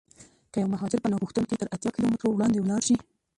که یو مهاجر پناه غوښتونکی تر اتیا کیلومترو وړاندې ولاړشي.